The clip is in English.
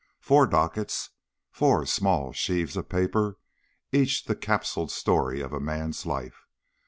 Four dockets, four small sheaves of paper, each the capsuled story of a man's life.